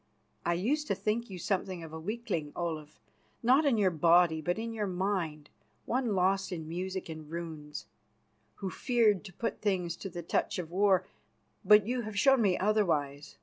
I used to think you something of a weakling, Olaf, not in your body but in your mind, one lost in music and in runes, who feared to put things to the touch of war; but you have shown me otherwise.